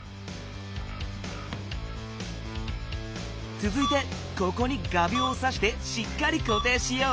つづいてここに画びょうをさしてしっかりこていしよう。